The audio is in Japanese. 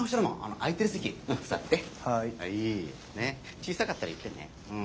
小さかったら言ってねうん。